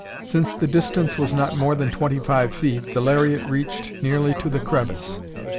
Since the distance was not more than twenty five feet, the lariat reached nearly to the crevice.